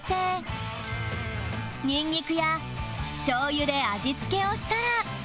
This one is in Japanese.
ニンニクやしょう油で味付けをしたら